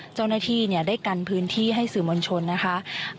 เจ้าหน้าที่ได้กันพื้นที่ให้สื่อมวลชนนะคะ